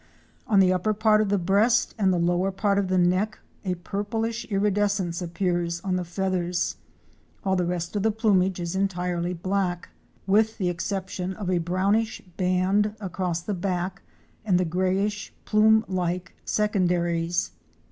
On the upper part of the breast and the lower part of the neck a purplish iridescence appears on the feathers while the rest of the plumage is entirely black, with the exception of a brownish band across the back, and the grayish plume like secondaries.